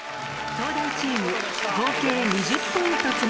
東大チーム合計２０ポイント